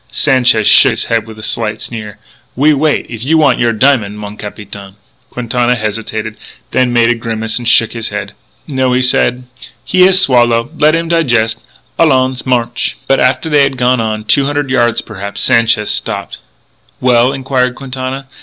Sanchez shook his head with a slight sneer: "We wait if you want your diamond, mon capitaine." Quintana hesitated, then made a grimace and shook his head. "No," he said, "he has swallow. Let him digest. Allons! March!" But after they had gone on two hundred yards, perhaps Sanchez stopped. "Well?" inquired Quintana.